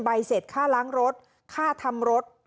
ใบเสร็จค่าล้างรถค่าทำรถ